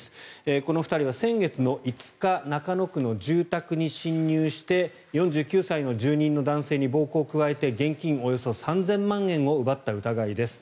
この２人は先月５日中野区の住宅に侵入して４９歳の住人の男性に暴行を加えて現金およそ３０００万円を奪った疑いです。